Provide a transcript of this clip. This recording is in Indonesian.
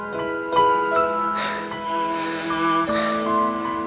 bening aku pergi ya